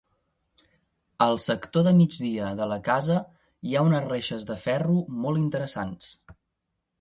Al sector de migdia de la casa hi ha unes reixes de ferro molt interessants.